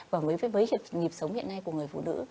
và với cái nghiệp sống hiện nay của người phụ nữ